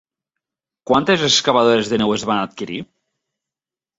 Quantes excavadores de neu es van adquirir?